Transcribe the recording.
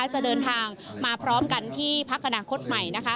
จะเดินทางมาพร้อมกันที่พักอนาคตใหม่